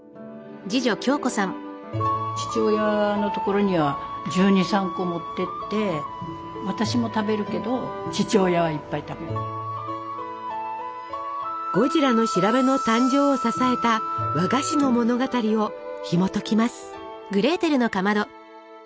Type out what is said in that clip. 父親の所には私も食べるけどゴジラの調べの誕生を支えた和菓子の物語をひもときます。